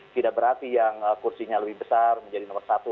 tidak berarti yang kursinya lebih besar menjadi nomor satu